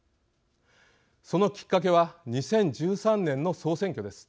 そのきっかけは２０１３年の総選挙です。